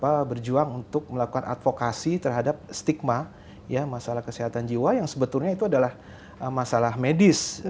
dan kita terus berjuang untuk melakukan advokasi terhadap stigma ya masalah kesehatan jiwa yang sebetulnya itu adalah masalah medis